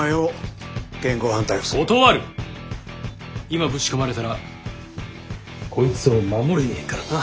今ブチこまれたらこいつを守れねえからな。